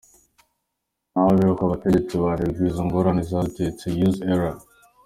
N’aho biri uko, abategetsi banebaguye izo ngorane zadutse za ”Use error”.